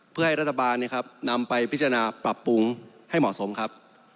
เพื่อให้รัฐบาลนำไปพิจารณาปรับปรุงให้เหมาะสมครับ